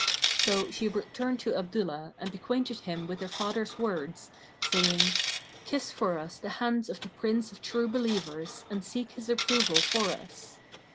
So she returned to Abdullah and acquainted him with her father's words, saying, "Kiss for us the hands of the Prince of True Believers and seek his approval for us."